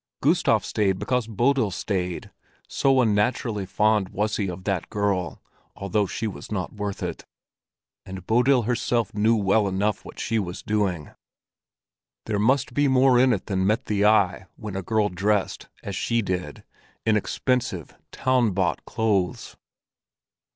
Gustav stayed because Bodil stayed, so unnaturally fond was he of that girl, although she was not worth it. And Bodil herself knew well enough what she was doing! There must be more in it than met the eye when a girl dressed, as she did, in expensive, town bought clothes.